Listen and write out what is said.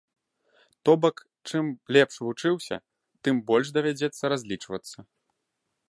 То бок, чым лепш вучыўся, тым больш давядзецца разлічвацца.